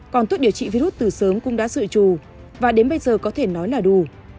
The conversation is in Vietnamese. còn thuốc điều trị virus từ sớm cũng đã dự trù và đến bây giờ có thể nói là đủ